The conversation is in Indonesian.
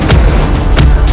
tidak ada siapa siapa